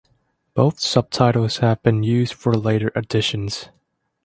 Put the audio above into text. Both subtitles have been used for later editions.